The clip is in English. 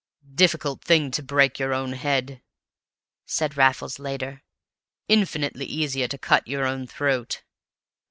"Difficult thing to break your own head," said Raffles later; "infinitely easier to cut your own throat.